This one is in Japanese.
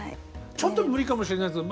ちょっと無理かもしれないですけど